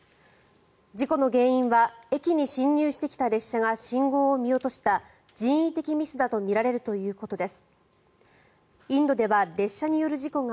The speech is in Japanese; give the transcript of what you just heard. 事故の原因は駅に進入してきた列車が信号を見落とした人為的ミスだとみられるということです。